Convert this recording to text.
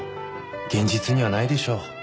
現実にはないでしょ。